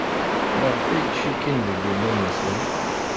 Maɣef ay ttcikkin deg yiman-nsen?